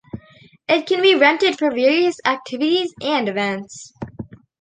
It can be rented for various activities and events.